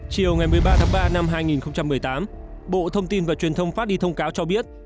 chiều ngày một mươi ba tháng ba năm hai nghìn một mươi tám bộ thông tin và truyền thông phát đi thông cáo cho biết